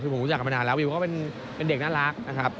คือผมรู้จักกันมานานแล้ววิวก็เป็นเด็กน่ารักนะครับ